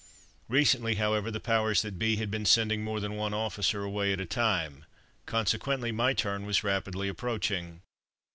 Recently, however, the powers that be had been sending more than one officer away at a time; consequently my turn was rapidly approaching.